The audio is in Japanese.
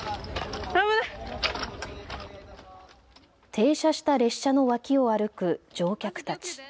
停車した列車の脇を歩く乗客たち。